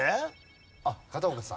あっ片岡さん。